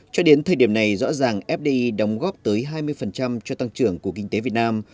cho đến thời điểm này rõ ràng fdi đóng góp tới hai mươi cho tăng trưởng của kinh tế việt nam